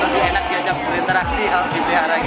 lebih enak diajak berinteraksi diperihara gitu